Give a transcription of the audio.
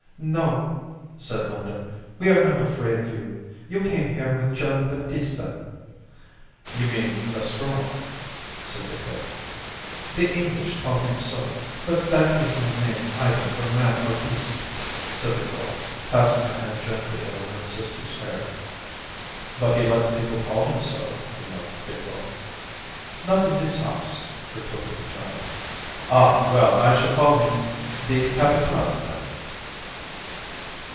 "No," said Linda, "we are not afraid of you. You came here with Gian' Battista." "You mean Nostromo?" said Decoud. "The English call him so, but that is no name either for man or beast," said the girl, passing her hand gently over her sister's hair. "But he lets people call him so," remarked Decoud. "Not in this house," retorted the child. "Ah! well, I shall call him the Capataz then."